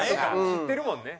知ってるもんね。